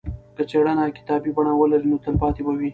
که څېړنه کتابي بڼه ولري نو تلپاتې به وي.